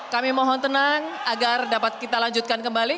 kami mohon tenang agar dapat kita lanjutkan kembali